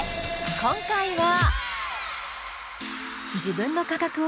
今回は。